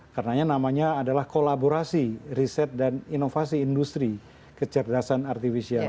karena namanya adalah kolaborasi riset dan inovasi industri kecerdasan artificial